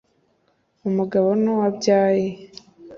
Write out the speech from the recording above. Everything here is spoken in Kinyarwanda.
umugabo n’uwo abyaye